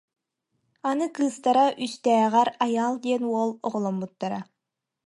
Аны кыыстара үстээҕэр Айаал диэн уол оҕоломмуттара